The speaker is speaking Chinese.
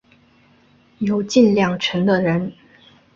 有近两成的人